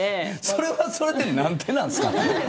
それは、それで何でなんですか。